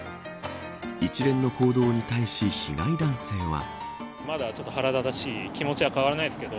一連の行動に対し被害男性は。